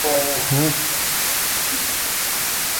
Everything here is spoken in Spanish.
Se detuvo en Guacara cerca de Valencia.